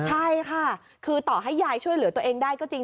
ใช่ค่ะคือต่อให้ยายช่วยเหลือตัวเองได้ก็จริง